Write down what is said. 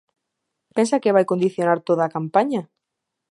Pensa que vai condicionar toda a campaña?